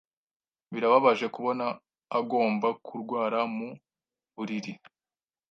Birababaje kubona agomba kurwara mu buriri.